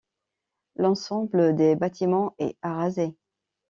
L'ensemble des bâtiments est arasé.